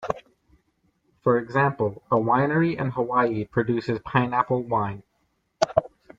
For example, a winery in Hawaii produces pineapple wine.